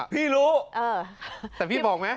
พี่รู้แต่พี่บอกไหม